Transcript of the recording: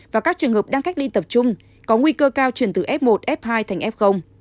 và các trường hợp đang cách ly tập trung có nguy cơ cao chuyển từ f một f hai thành f